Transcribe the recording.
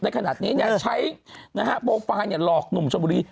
ขนาดนี้ใช้โปรไฟล์หลอกหนุ่มชมบุรี